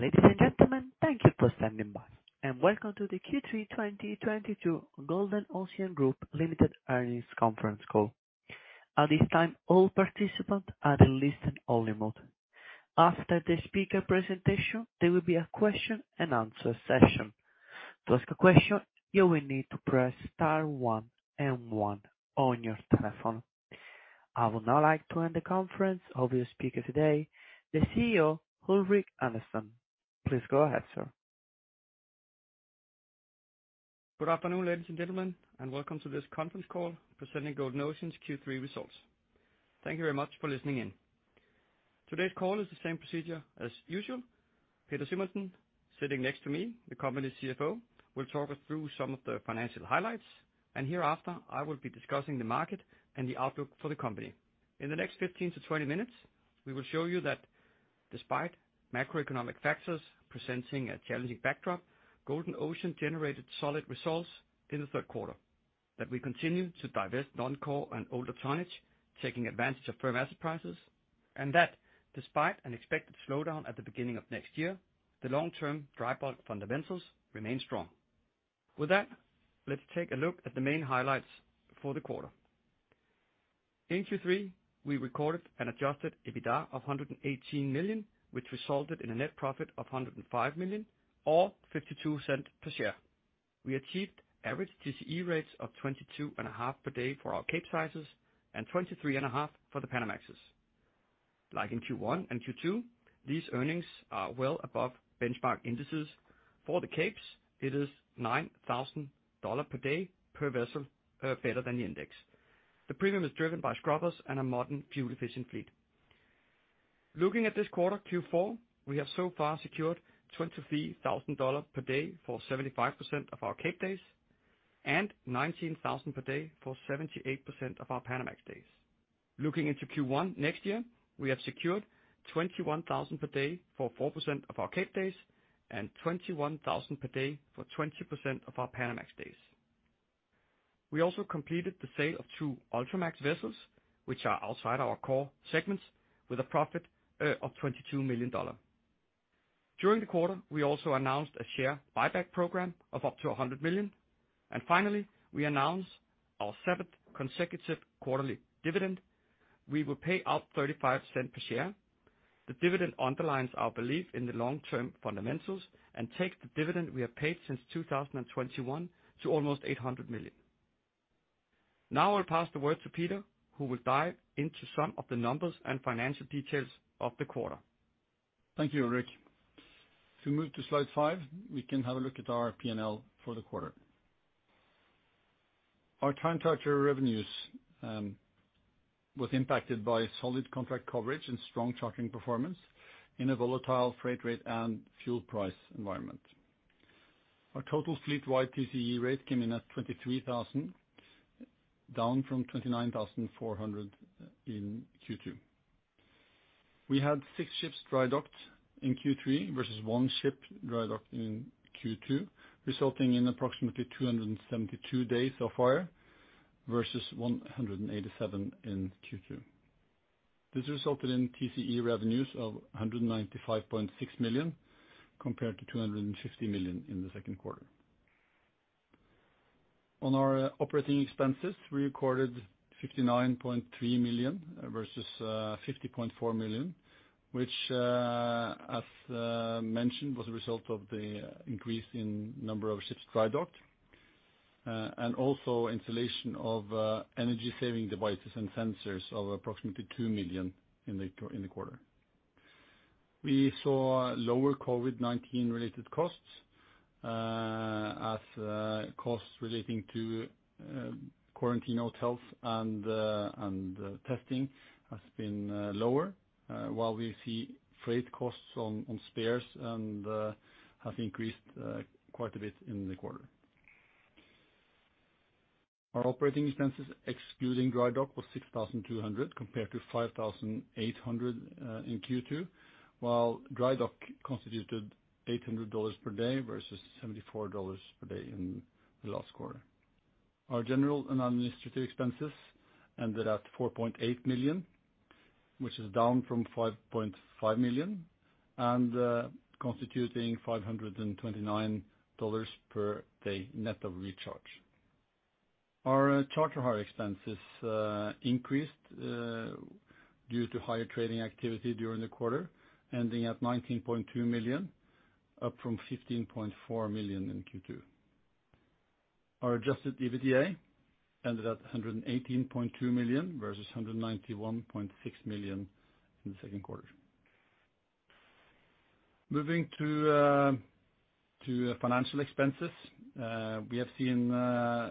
Ladies and gentlemen, thank you for standing by, and welcome to the Q3 2022 Golden Ocean Group Limited Earnings Conference Call. At this time, all participants are in listen-only mode. After the speaker presentation, there will be a question-and-answer session. To ask a question, you will need to press star one and one on your telephone. I would now like to hand the conference over to the speaker today, the CEO, Ulrik Andersen. Please go ahead, sir. Good afternoon, ladies and gentlemen, and welcome to this conference call presenting Golden Ocean's Q3 results. Thank you very much for listening in. Today's call is the same procedure as usual. Peder Simonsen sitting next to me, the company's CFO, will talk us through some of the financial highlights, and hereafter, I will be discussing the market and the outlook for the company. In the next 15-20 minutes, we will show you that despite macroeconomic factors presenting a challenging backdrop, Golden Ocean generated solid results in the third quarter. That we continue to divest non-core and older tonnage, taking advantage of firm asset prices, and that despite an expected slowdown at the beginning of next year, the long-term dry bulk fundamentals remain strong. With that, let's take a look at the main highlights for the quarter. In Q3, we recorded an adjusted EBITDA of $118 million, which resulted in a net profit of $105 million, or $0.52 per share. We achieved average TCE rates of $22,500 per day for our Capesize vessels and $23,500 for the Panamax. Like in Q1 and Q2, these earnings are well above benchmark indices. For the Capes, it is $9,000 per day per vessel better than the index. The premium is driven by scrubbers and a modern fuel-efficient fleet. Looking at this quarter, Q4, we have so far secured $23,000 per day for 75% of our Cape days and $19,000 per day for 78% of our Panamax days. Looking into Q1 next year, we have secured $21,000 per day for 4% of our Cape days and $21,000 per day for 20% of our Panamax days. We also completed the sale of two Ultramax vessels, which are outside our core segments, with a profit of $22 million. During the quarter, we also announced a share buyback program of up to $100 million. Finally, we announced our seventh consecutive quarterly dividend. We will pay out $0.35 per share. The dividend underlines our belief in the long-term fundamentals and takes the dividend we have paid since 2021 to almost $800 million. Now, I'll pass the word to Peder, who will dive into some of the numbers and financial details of the quarter. Thank you, Ulrik. If we move to slide five, we can have a look at our P&L for the quarter. Our time charter revenues was impacted by solid contract coverage and strong tracking performance in a volatile freight rate and fuel price environment. Our total fleet-wide TCE rate came in at $23,000, down from $29,400 in Q2. We had six ships drydocked in Q3 versus one ship drydocked in Q2, resulting in approximately 272 days so far versus 187 in Q2. This resulted in TCE revenues of $195.6 million, compared to $250 million in the second quarter. On our operating expenses, we recorded $59.3 million versus $50.4 million, which, as mentioned, was a result of the increase in number of ships dry docked and also installation of energy-saving devices and sensors of approximately $2 million in the quarter. We saw lower COVID-19 related costs, as costs relating to quarantine hotels and testing has been lower, while we see freight costs on spares and have increased quite a bit in the quarter. Our operating expenses excluding dry dock was $6,200, compared to $5,800 in Q2, while dry dock constituted $800 per day versus $74 per day in the last quarter. Our general and administrative expenses ended at $4.8 million, which is down from $5.5 million and constituting $529 per day net of recharge. Our charter hire expenses increased due to higher trading activity during the quarter, ending at $19.2 million, up from $15.4 million in Q2. Our adjusted EBITDA ended at $118.2 million versus $191.6 million in the second quarter. Moving to financial expenses. We have seen the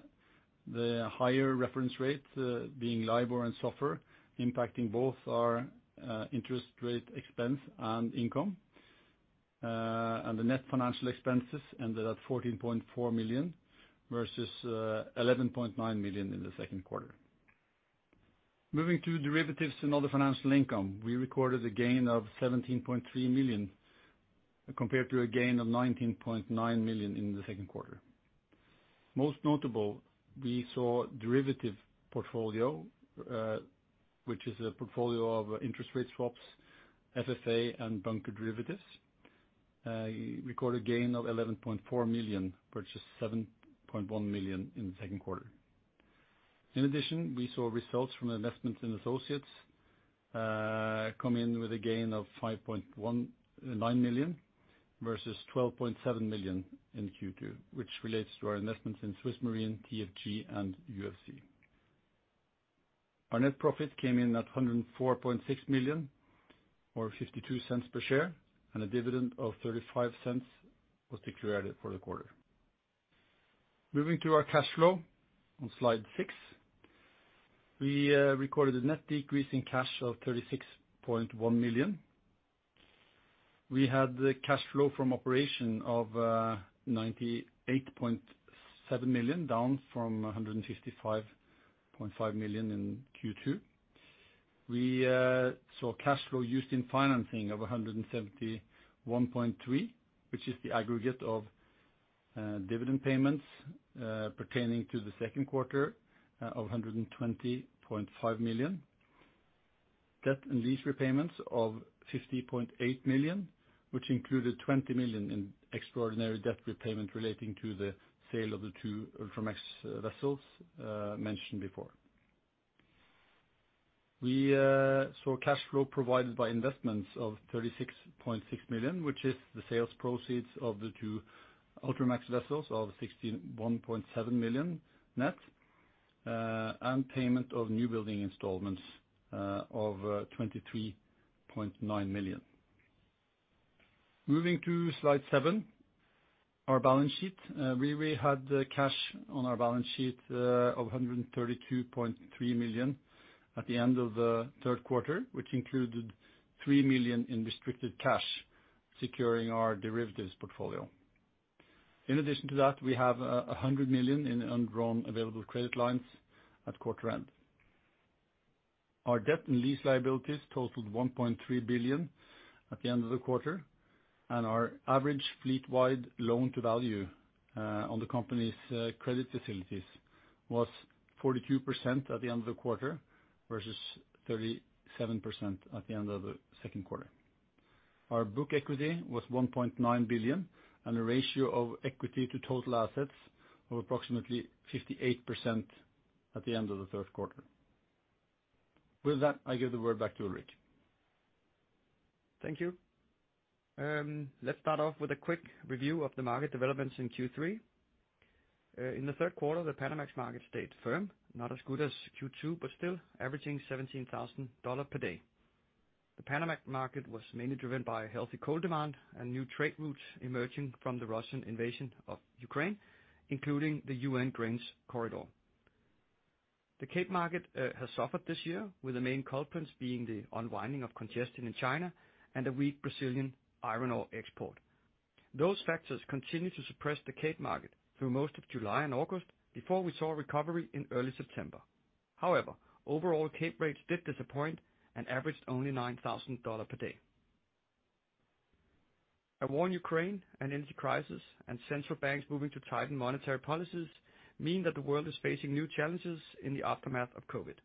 higher reference rates being LIBOR and SOFR impacting both our interest rate expense and income, and the net financial expenses ended at $14.4 million versus $11.9 million in the second quarter. Moving to derivatives and other financial income, we recorded a gain of $17.3 million, compared to a gain of $19.9 million in the second quarter. Most notable, we saw derivative portfolio, which is a portfolio of interest rate swaps, FFA, and bunker derivatives, record a gain of $11.4 million versus $7.1 million in the second quarter. In addition, we saw results from investments in associates, come in with a gain of [$5.9 million] versus $12.7 million in Q2, which relates to our investments in Swiss Marine, TFG, and UFC. Our net profit came in at $104.6 million or $0.52 per share, and a dividend of $0.35 was declared for the quarter. Moving to our cash flow on slide six. We recorded a net decrease in cash of $36.1 million. We had the cash flow from operation of $98.7 million, down from $155.5 million in Q2. We saw cash flow used in financing of $171.3 million, which is the aggregate of dividend payments pertaining to the second quarter of $120.5 million. Debt and lease repayments of $50.8 million, which included $20 million in extraordinary debt repayment relating to the sale of the two Ultramax vessels mentioned before. We saw cash flow provided by investments of $36.6 million, which is the sales proceeds of the two Ultramax vessels of $61.7 million net and payment of new building installments of $23.9 million. Moving to slide seven, our balance sheet. We had the cash on our balance sheet of $132.3 million at the end of the third quarter, which included $3 million in restricted cash securing our derivatives portfolio. In addition to that, we have $100 million in undrawn available credit lines at quarter end. Our debt and lease liabilities totaled $1.3 billion at the end of the quarter, and our average fleet-wide loan to value on the company's credit facilities was 42% at the end of the quarter versus 37% at the end of the second quarter. Our book equity was $1.9 billion and a ratio of equity to total assets of approximately 58% at the end of the third quarter. With that, I give the word back to Ulrik. Thank you. Let's start off with a quick review of the market developments in Q3. In the third quarter, the Panamax market stayed firm, not as good as Q2, but still averaging $17,000 per day. The Panamax market was mainly driven by healthy coal demand and new trade routes emerging from the Russian invasion of Ukraine, including the UN grains corridor. The Cape market has suffered this year, with the main culprits being the unwinding of congestion in China and a weak Brazilian iron ore export. Those factors continue to suppress the Cape market through most of July and August before we saw a recovery in early September. However, overall Cape rates did disappoint and averaged only $9,000 per day. A war in Ukraine, an energy crisis, and central banks moving to tighten monetary policies mean that the world is facing new challenges in the aftermath of COVID.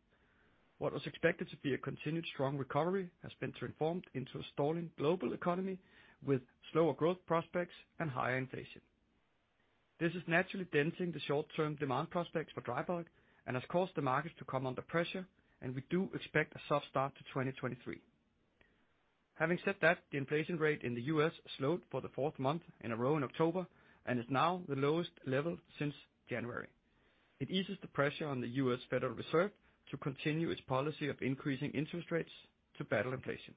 What was expected to be a continued strong recovery has been transformed into a stalling global economy with slower growth prospects and higher inflation. This is naturally denting the short-term demand prospects for dry bulk and has caused the markets to come under pressure, and we do expect a soft start to 2023. Having said that, the inflation rate in the U.S. slowed for the fourth month in a row in October and is now the lowest level since January. It eases the pressure on the U.S. Federal Reserve to continue its policy of increasing interest rates to battle inflation.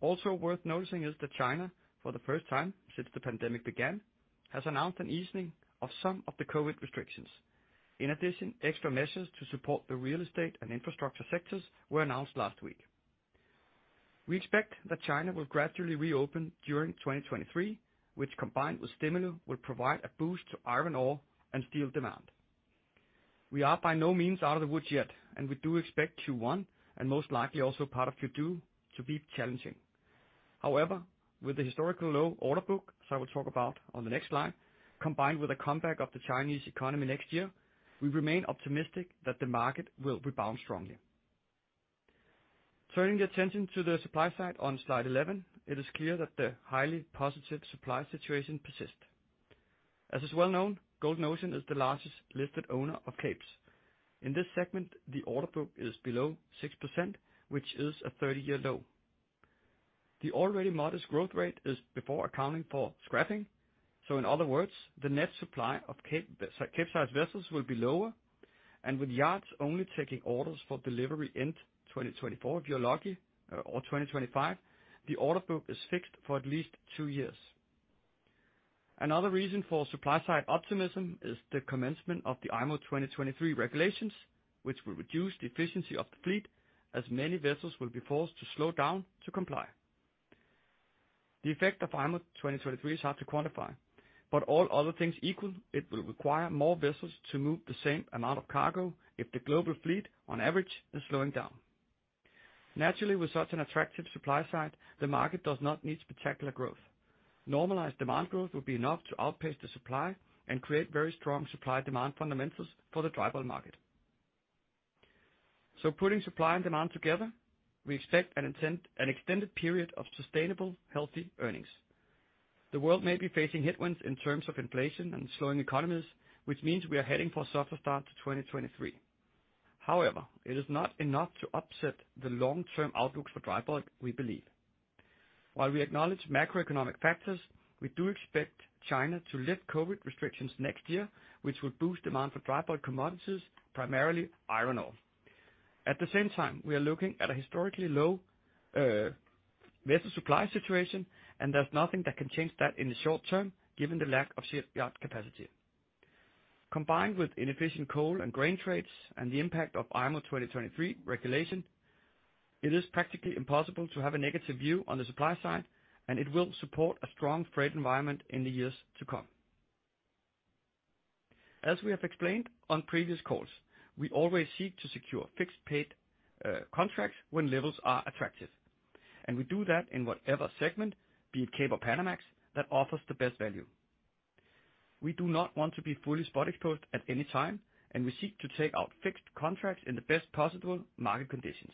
Also worth noticing is that China, for the first time since the pandemic began, has announced an easing of some of the COVID restrictions. In addition, extra measures to support the real estate and infrastructure sectors were announced last week. We expect that China will gradually reopen during 2023, which combined with stimuli, will provide a boost to iron ore and steel demand. We are by no means out of the woods yet, and we do expect Q1, and most likely also part of Q2, to be challenging. However, with the historical low order book, as I will talk about on the next slide, combined with a comeback of the Chinese economy next year, we remain optimistic that the market will rebound strongly. Turning the attention to the supply side on slide 11, it is clear that the highly positive supply situation persists. As is well known, Golden Ocean is the largest listed owner of Capesize. In this segment, the order book is below 6%, which is a 30-year low. The already modest growth rate is before accounting for scrapping. In other words, the net supply of Capesize vessels will be lower, and with yards only taking orders for delivery in 2024, if you're lucky, or 2025, the order book is fixed for at least two years. Another reason for supply side optimism is the commencement of the IMO 2023 regulations, which will reduce the efficiency of the fleet, as many vessels will be forced to slow down to comply. The effect of IMO 2023 is hard to quantify, but all other things equal, it will require more vessels to move the same amount of cargo if the global fleet on average is slowing down. Naturally, with such an attractive supply side, the market does not need spectacular growth. Normalized demand growth will be enough to outpace the supply and create very strong supply demand fundamentals for the dry bulk market. Putting supply and demand together, we expect an extended period of sustainable, healthy earnings. The world may be facing headwinds in terms of inflation and slowing economies, which means we are heading for a softer start to 2023. However, it is not enough to upset the long-term outlook for dry bulk, we believe. While we acknowledge macroeconomic factors, we do expect China to lift COVID restrictions next year, which would boost demand for dry bulk commodities, primarily iron ore. At the same time, we are looking at a historically low vessel supply situation, and there's nothing that can change that in the short term, given the lack of shipyard capacity. Combined with inefficient coal and grain trades and the impact of IMO 2023 regulation, it is practically impossible to have a negative view on the supply side, and it will support a strong freight environment in the years to come. As we have explained on previous calls, we always seek to secure fixed paid contracts when levels are attractive, and we do that in whatever segment, be it Cape or Panamax, that offers the best value. We do not want to be fully spot exposed at any time, and we seek to take out fixed contracts in the best possible market conditions.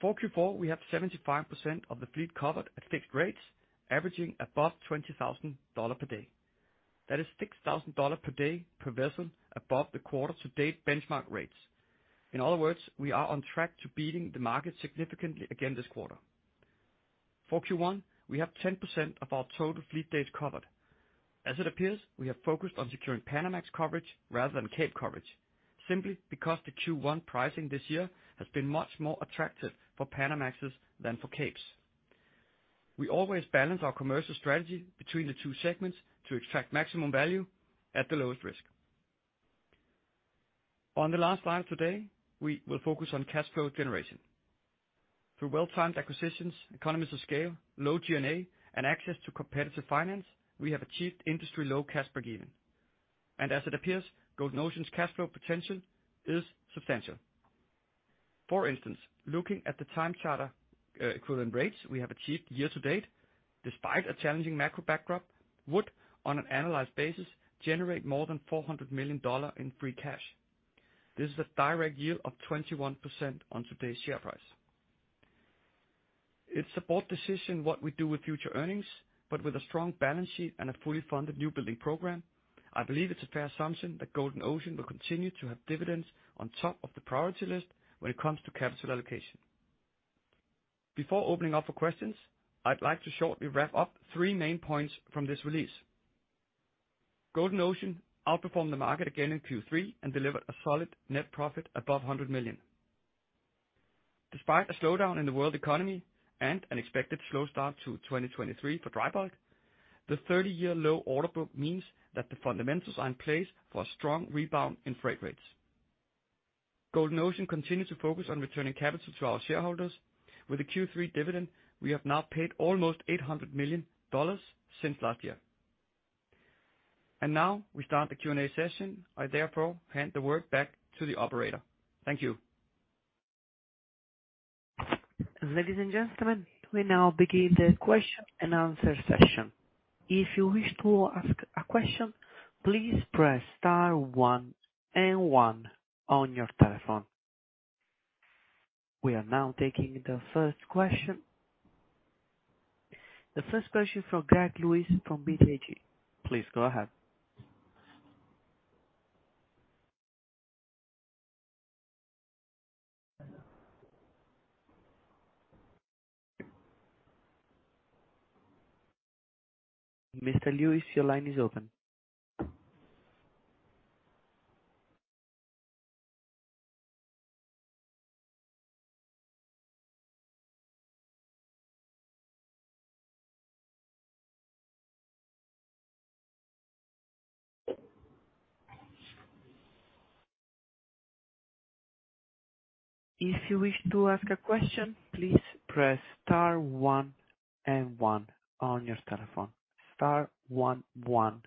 For Q4, we have 75% of the fleet covered at fixed rates, averaging above $20,000 per day. That is $6,000 per day per vessel above the quarter-to-date benchmark rates. In other words, we are on track to beating the market significantly again this quarter. For Q1, we have 10% of our total fleet days covered. As it appears, we have focused on securing Panamax coverage rather than Cape coverage, simply because the Q1 pricing this year has been much more attractive for Panamax than for Capes. We always balance our commercial strategy between the two segments to extract maximum value at the lowest risk. On the last slide today, we will focus on cash flow generation. Through well-timed acquisitions, economies of scale, low G&A, and access to competitive finance, we have achieved industry-low cash break-even. As it appears, Golden Ocean's cash flow potential is substantial. For instance, looking at the time charter equivalent rates we have achieved year-to-date, despite a challenging macro backdrop, would, on an annualized basis, generate more than $400 million in free cash. This is a direct yield of 21% on today's share price. It's a board decision what we do with future earnings, but with a strong balance sheet and a fully funded new building program, I believe it's a fair assumption that Golden Ocean will continue to have dividends on top of the priority list when it comes to capital allocation. Before opening up for questions, I'd like to shortly wrap up three main points from this release. Golden Ocean outperformed the market again in Q3 and delivered a solid net profit above $100 million. Despite a slowdown in the world economy and an expected slow start to 2023 for dry bulk, the 30-year low order book means that the fundamentals are in place for a strong rebound in freight rates. Golden Ocean continues to focus on returning capital to our shareholders. With the Q3 dividend, we have now paid almost $800 million since last year. Now we start the Q&A session. I therefore hand the word back to the operator. Thank you. Ladies and gentlemen, we now begin the question and answer session. If you wish to ask a question, please press star one and one on your telephone. We are now taking the first question. The first question from Greg Lewis from BTIG. Please go ahead. Mr. Lewis, your line is open. If you wish to ask a question, please press star one and one on your telephone. Star one one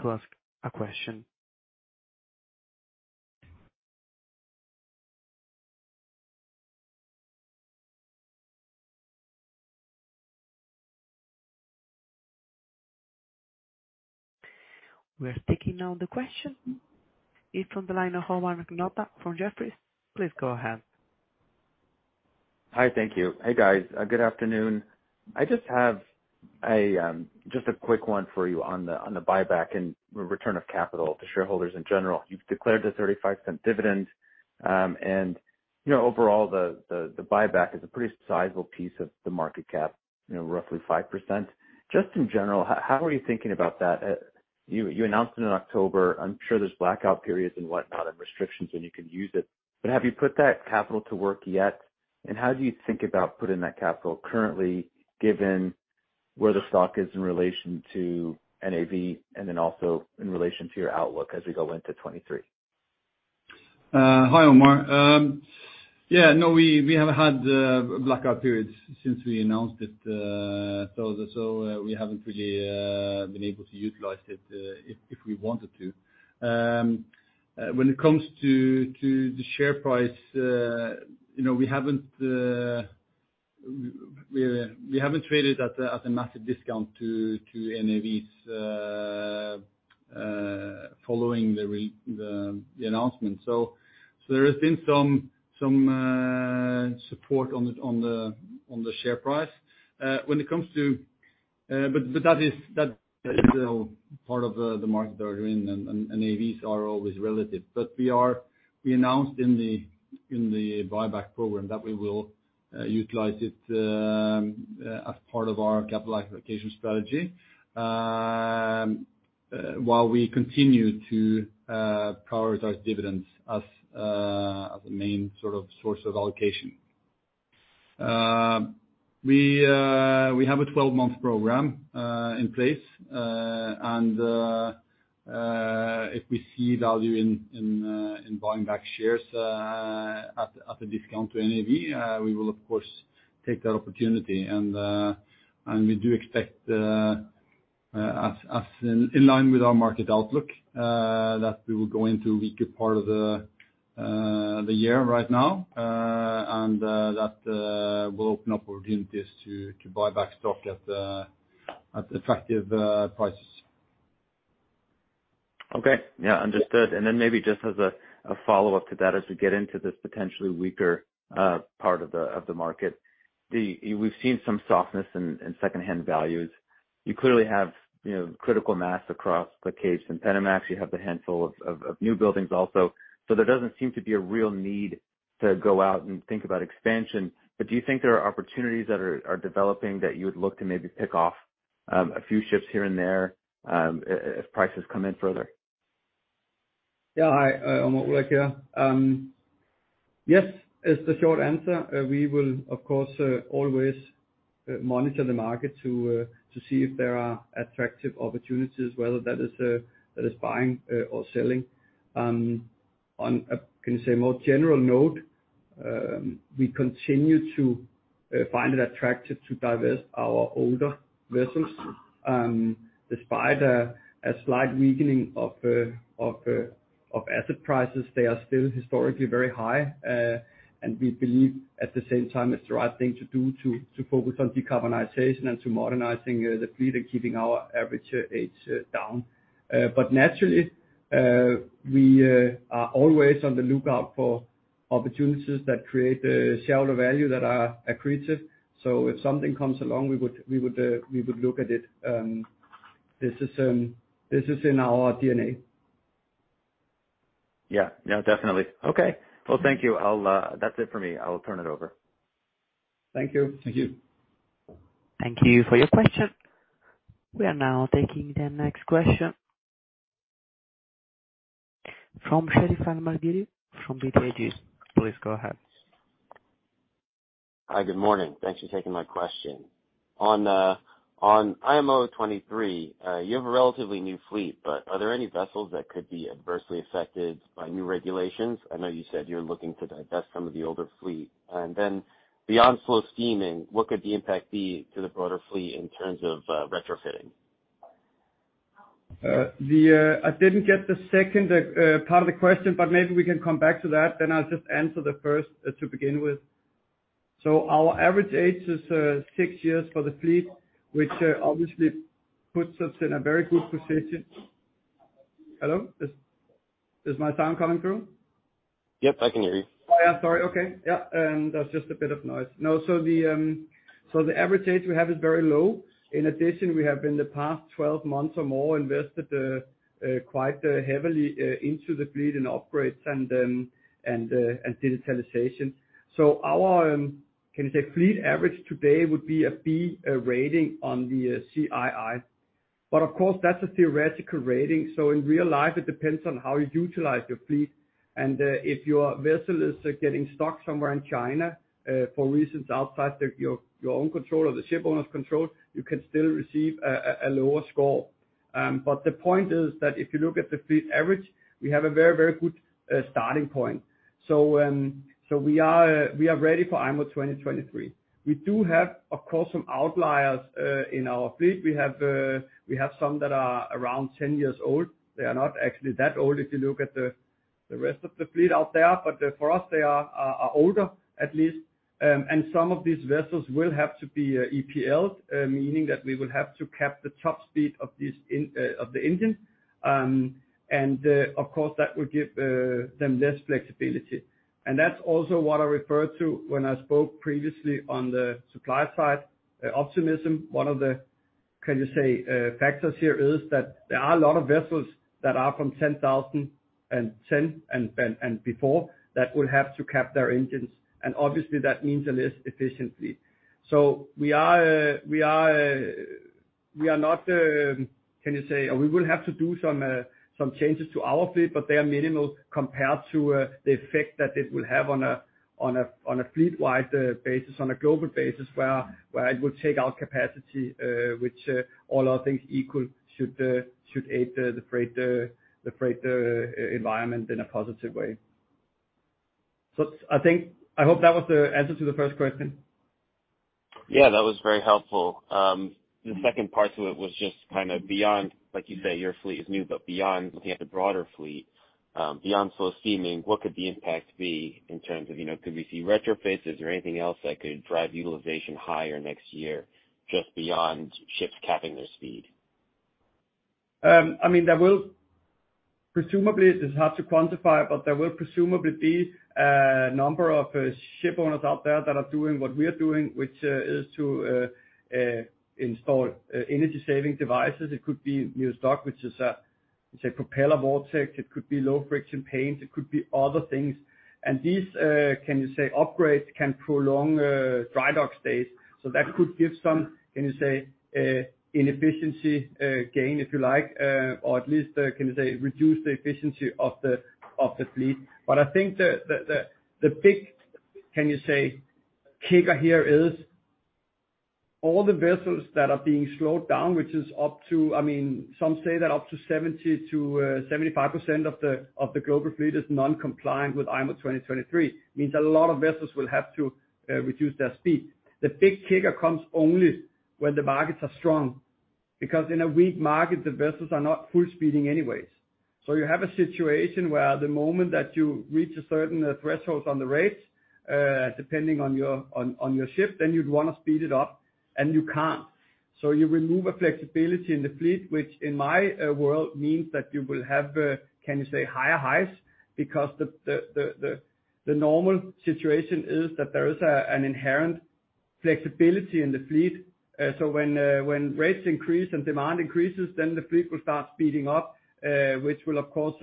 to ask a question. We are taking now the question. It's from the line of Omar Nokta from Jefferies. Please go ahead. Hi. Thank you. Hey, guys. Good afternoon. I just have a quick one for you on the buyback and return of capital to shareholders in general. You've declared a $0.35 dividend, and you know, overall, the buyback is a pretty sizable piece of the market cap, you know, roughly 5%. Just in general, how are you thinking about that? You announced it in October. I'm sure there's blackout periods and whatnot and restrictions when you can use it. But have you put that capital to work yet? How do you think about putting that capital currently, given where the stock is in relation to NAV and then also in relation to your outlook as we go into 2023? Hi, Omar. Yeah, no, we have had blackout periods since we announced it, so and so. We haven't really Been able to utilize it, if we wanted to. When it comes to the share price, you know, we haven't traded at a massive discount to NAVs following the announcement. There has been some support on the share price. That is, you know, part of the market that we're in and NAVs are always relative. We announced in the buyback program that we will utilize it as part of our capital allocation strategy while we continue to prioritize dividends as the main sort of source of allocation. We have a 12-month program in place. If we see value in buying back shares at a discount to NAV, we will of course take that opportunity and we do expect, in line with our market outlook, that we will go into weaker part of the year right now. That will open up opportunities to buy back stock at effective prices. Okay. Yeah, understood. Then maybe just as a follow-up to that, as we get into this potentially weaker part of the market, we've seen some softness in secondhand values. You clearly have, you know, critical mass across the Capes and Panamax. You have a handful of new buildings also. There doesn't seem to be a real need to go out and think about expansion. Do you think there are opportunities that are developing that you would look to maybe pick off a few ships here and there, if prices come in further? Yeah. Hi, Ulrik here. Yes is the short answer. We will of course always monitor the market to see if there are attractive opportunities, whether that is buying or selling. On a more general note, we continue to find it attractive to divest our older vessels. Despite a slight weakening of asset prices, they are still historically very high. We believe at the same time it's the right thing to do to focus on decarbonization and to modernizing the fleet and keeping our average age down. Naturally, we are always on the lookout for opportunities that create shareholder value that are accretive. If something comes along, we would look at it. This is in our DNA. Yeah. No, definitely. Okay. Well, thank you. I'll. That's it for me. I will turn it over. Thank you. Thank you. Thank you for your question. We are now taking the next question. From Sherif Elmaghrabi from BTIG. Please go ahead. Hi, good morning. Thanks for taking my question. On IMO 2023, you have a relatively new fleet, but are there any vessels that could be adversely affected by new regulations? I know you said you're looking to divest some of the older fleet. Beyond slow steaming, what could the impact be to the broader fleet in terms of retrofitting? I didn't get the second part of the question, but maybe we can come back to that. I'll just answer the first to begin with. Our average age is six years for the fleet, which obviously puts us in a very good position. Hello? Is my sound coming through? Yes, I can hear you. Oh, yeah, sorry. Okay. Yeah, that's just a bit of noise. No, the average age we have is very low. In addition, we have in the past 12 months or more invested quite heavily into the fleet and operations and digitalization. Our fleet average today would be a B rating on the CII. Of course, that's a theoretical rating. In real life, it depends on how you utilize your fleet. If your vessel is getting stuck somewhere in China, for reasons outside your own control or the ship owner's control, you can still receive a lower score. The point is that if you look at the fleet average, we have a very, very good starting point. We are ready for IMO 2023. We do have, of course, some outliers in our fleet. We have some that are around 10 years old. They are not actually that old if you look at the rest of the fleet out there, but for us, they are older, at least. Some of these vessels will have to be EPL, meaning that we will have to cap the top speed of these of the engine. Of course, that would give them less flexibility. That's also what I referred to when I spoke previously on the supply side optimism. One of the factors here is that there are a lot of vessels that are from 2010 and before, that will have to cap their engines. Obviously, that means a less efficient fleet. We will have to do some changes to our fleet, but they are minimal compared to the effect that it will have on a fleet-wide basis, on a global basis, where it will take out capacity, which, all other things equal should aid the freight environment in a positive way. I think, I hope that was the answer to the first question. Yeah, that was very helpful. The second part to it was just kind of beyond, like you say, your fleet is new, but beyond looking at the broader fleet, beyond slow steaming, what could the impact be in terms of, you know, could we see retrofits? Is there anything else that could drive utilization higher next year, just beyond ships capping their speed? I mean, there will presumably, it is hard to quantify, but there will presumably be a number of ship owners out there that are doing what we are doing, which is to install energy saving devices. It could be new stock, which is, say, propeller [vortex] It could be low friction paints, it could be other things. These upgrades can prolong dry dock stays. That could give some efficiency gain, if you like, or at least reduce the efficiency of the fleet. I think the big kicker here is all the vessels that are being slowed down, which is up to, I mean, some say that up to 70%-75% of the global fleet is non-compliant with IMO 2023. Means a lot of vessels will have to reduce their speed. The big kicker comes only when the markets are strong, because in a weak market, the vessels are not full speeding anyways. You have a situation where the moment that you reach a certain threshold on the rates, depending on your ship, then you'd want to speed it up and you can't. You remove a flexibility in the fleet, which in my world means that you will have higher highs because the normal situation is that there is an inherent flexibility in the fleet. When rates increase and demand increases, then the fleet will start speeding up, which will of course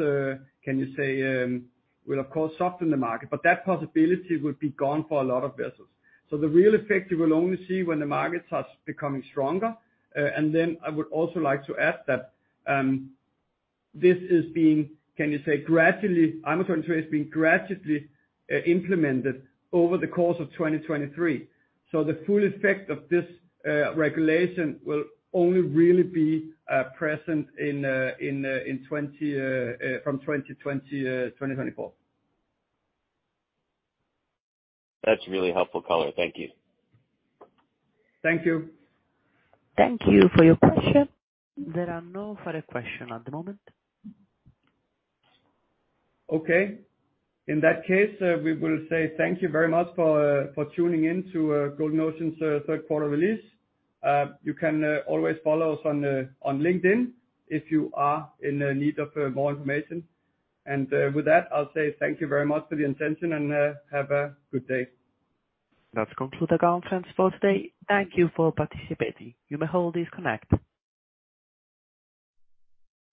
soften the market. That possibility will be gone for a lot of vessels. The real effect you will only see when the markets are becoming stronger. I would also like to add that IMO 2023 is being gradually implemented over the course of 2023. The full effect of this regulation will only really be present from 2024. That's really helpful color. Thank you. Thank you. Thank you for your question. There are no further questions at the moment. Okay. In that case, we will say thank you very much for tuning in to Golden Ocean's third quarter release. You can always follow us on LinkedIn if you are in need of more information. With that, I'll say thank you very much for the attention and have a good day. That conclude our conference for today. Thank you for participating. You may all disconnect.